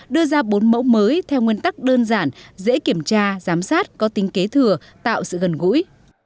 đưa ra bốn mẫu mới theo nguyên tắc đơn giản dễ kiểm tra giám sát có tính kế thừa tạo sự gần gũi